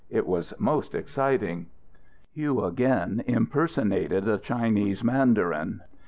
It was most exciting." Hugh again impersonated a Chinese mandarin.